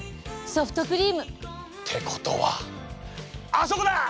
ソフトクリーム。ってことはあそこだ！